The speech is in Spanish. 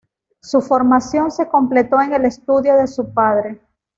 Su formación se completó en el estudio de su padre.